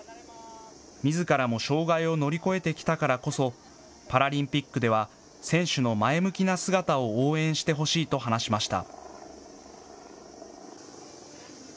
みずからも障害を乗り越えてきたからこそパラリンピックでは選手の前向きな姿を応援してほしいと話しました。